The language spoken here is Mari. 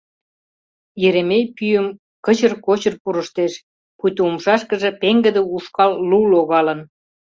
— Еремей пӱйым кычыр-кочыр пурыштеш, пуйто умшашкыже пеҥгыде ушкал лу логалын.